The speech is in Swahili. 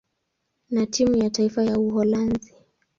na timu ya taifa ya Uholanzi.